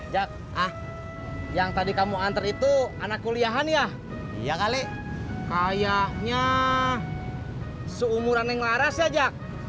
ja ah yang tadi kamu anter itu anak kuliahan ya iya kali kayaknya seumuran yang laras aja